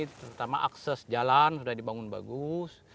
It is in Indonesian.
terutama akses jalan sudah dibangun bagus